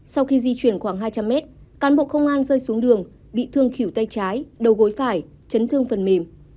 sau khi di chuyển khoảng hai trăm linh mét cán bộ công an rơi xuống đường bị thương khỉu tay trái đầu gối phải chấn thương phần mềm